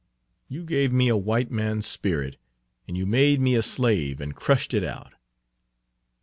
You gave me a white man's spirit, and you made me a slave, and crushed it out."